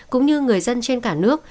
cũng như người dân trên cả nước